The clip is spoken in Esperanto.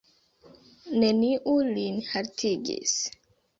Neniu lin haltigis.